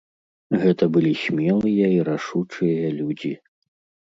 Гэта былі смелыя і рашучыя людзі.